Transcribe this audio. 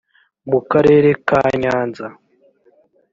mu karere ka nyanza